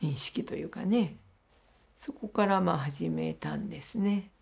そこから始めたんですね。